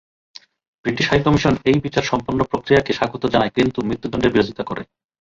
British high commission এই বিচার সম্পন্ন প্রক্রিয়াকে স্বাগত জানায় কিন্তু মৃত্যুদণ্ডের বিরোধিতা করে।